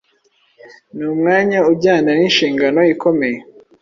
ni umwanya ujyana n’inshingano ikomeye